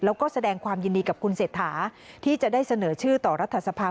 แล้วก็แสดงความยินดีกับคุณเศรษฐาที่จะได้เสนอชื่อต่อรัฐสภา